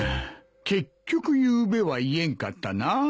結局ゆうべは言えんかったな。